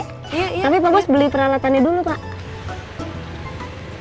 tapi pak bos beli peralatannya dulu pak